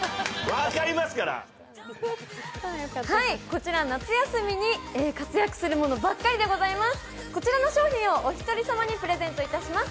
こちら夏休みに活躍するものばかりでございます。